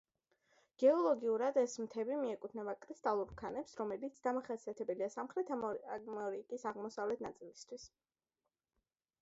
გეოლოგიურად, ეს მთები მიეკუთვნება კრისტალურ ქანებს, რომელიც დამახასიათებელია სამხრეთ ამერიკის აღმოსავლეთ ნაწილისათვის.